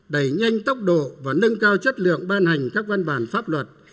đẩy nhanh tốc độ và nâng cao chất lượng ban hành các văn bản pháp luật